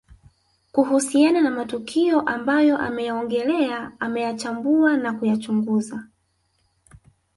Kuhusiana na matukio ambayo ameyaongelea ameyachambua na kuyachunguza